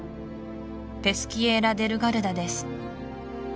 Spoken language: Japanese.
ペスキエーラ・デル・ガルダです